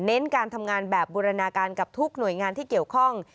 การทำงานแบบบูรณาการกับทุกหน่วยงานที่เกี่ยวข้อง